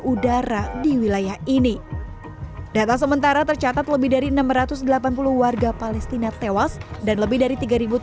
udara di wilayah ini data sementara tercatat lebih dari enam ratus delapan puluh warga palestina tewas dan lebih dari tiga tiga ratus